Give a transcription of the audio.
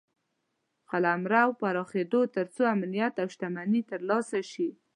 قلمرو پراخېده تر څو امنیت او شتمني ترلاسه شي.